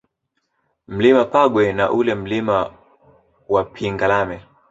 Mlima Pagwe na ule Mlima wa Pingalame